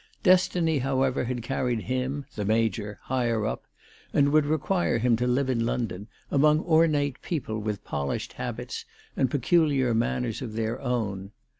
Destiny, however, had carried him, the Major, higher up, and would require him to live in London, among ornate people, with polished habits, and peculiar manners of their own.